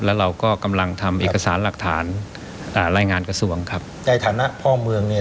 แล้วเราก็กำลังทำเอกสารหลักฐานอ่ารายงานกระทรวงครับในฐานะพ่อเมืองเนี่ย